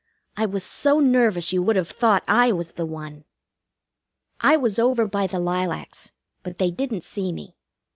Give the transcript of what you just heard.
I was so nervous you would have thought I was the one. I was over by the lilacs; but they didn't see me.